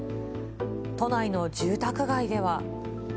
都内の住宅街では。